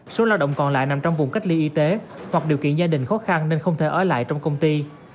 số lao động còn lại nằm trong vùng cách ly y tế hoặc điều kiện gia đình khó khăn nên không thể ở lại trong công ty